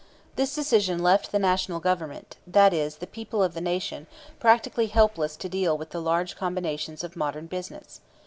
This decision left the National Government, that is, the people of the Nation, practically helpless to deal with the large combinations of modern business.